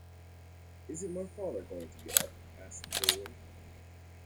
“Isn’t my father going to get up?” asked William.